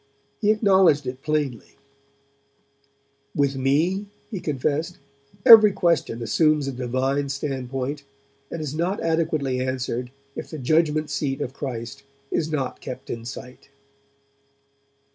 He acknowledged it plainly; 'with me,' he confessed, 'every question assumes a Divine standpoint and is not adequately answered if the judgement seat of Christ is not kept in sight.'